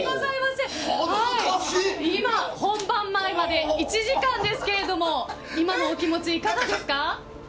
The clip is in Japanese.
今、本番前まで１時間ですけれども今のお気持ち、いかがですか？